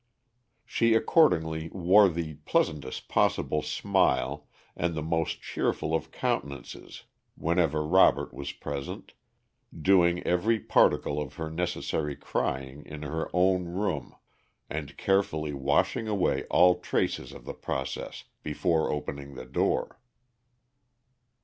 She accordingly wore the pleasantest possible smile and the most cheerful of countenances whenever Robert was present, doing every particle of her necessary crying in her own room and carefully washing away all traces of the process before opening the door.